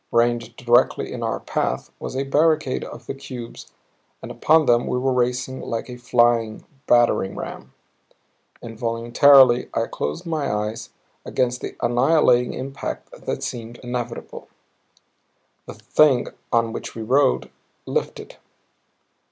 Ranged directly in our path was a barricade of the cubes and upon them we were racing like a flying battering ram. Involuntarily I closed my eyes against the annihilating impact that seemed inevitable. The Thing on which we rode lifted.